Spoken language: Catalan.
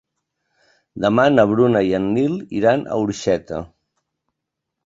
Demà na Bruna i en Nil iran a Orxeta.